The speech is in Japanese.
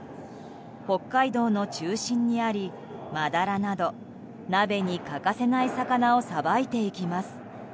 北海道の中心にありマダラなど鍋に欠かせない魚をさばいていきます。